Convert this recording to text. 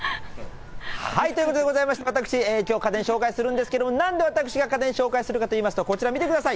はい、ということでございまして、私、きょう家電紹介するんですけれども、なんで私が家電紹介するかといいますと、こちら、見てください。